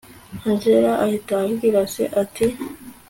angella ahita abwira se ati